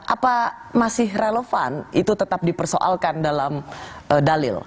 apa masih relevan itu tetap dipersoalkan dalam dalil